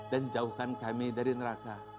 dan jauhkan kami dari neraka